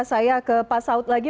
saya ke pak saud lagi